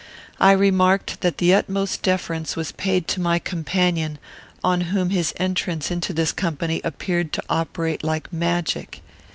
I remarked that the utmost deference was paid to my companion, on whom his entrance into this company appeared to operate like magic.